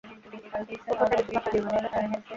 ওর কথায় বেশি পাত্তা দিয়ো না, ঠিক আছে?